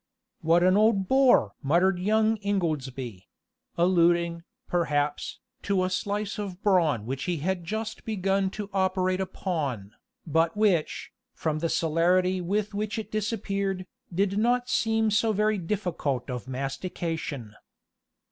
"What an old boar!" muttered young Ingoldsby; alluding, perhaps, to a slice of brawn which he had just begun to operate upon, but which, from the celerity with which it disappeared, did not seem so very difficult of mastication.